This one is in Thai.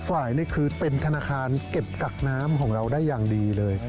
ฝ่ายนี่คือเป็นธนาคารเก็บกักน้ำของเราได้อย่างดีเลย